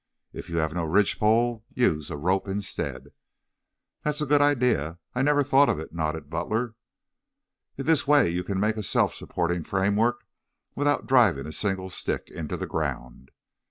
If you have no ridge pole use a rope instead." "That is a good idea. I never thought of it," nodded Butler. "In this way you can make a self supporting framework without driving a single stick into the ground.